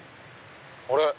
あれ。